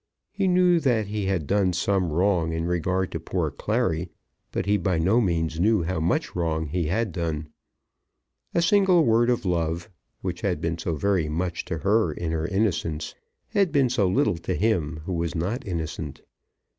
He knew that he had done some wrong in regard to poor Clary; but he by no means knew how much wrong he had done. A single word of love, which had been so very much to her in her innocence, had been so little to him who was not innocent.